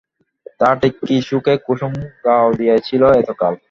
তা ঠিক, কী সুখে কুসুম গাওদিয়ায় ছিল এতকাল?